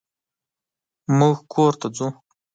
مونږ کور ته ځو.